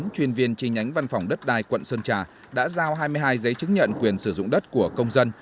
chuyên viên chi nhánh văn phòng đất đai quận sơn trà đã giao hai mươi hai giấy chứng nhận quyền sử dụng đất của công dân